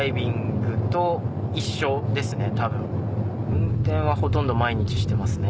運転はほとんど毎日してますね。